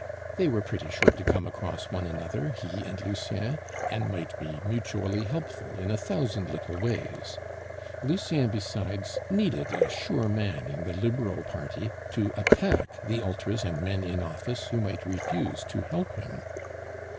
They were pretty sure to come across one another, he and Lucien, and might be mutually helpful in a thousand little ways. Lucien, besides, needed a sure man in the Liberal party to attack the Ultras and men in office who might refuse to help him.